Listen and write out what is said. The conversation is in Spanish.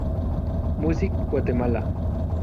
Music Guatemala.